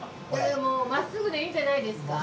もうまっすぐでいいんじゃないですか？